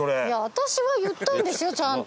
私は言ったんですよちゃんと。